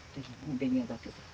ベニヤだけで。